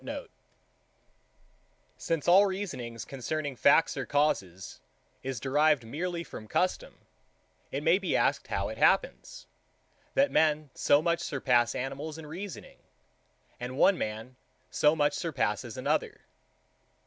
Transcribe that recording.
Since all reasonings concerning facts or causes is derived merely from custom, it may be asked how it happens, that men so much surpass animals in reasoning, and one man so much surpasses another?